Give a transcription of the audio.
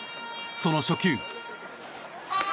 その初球。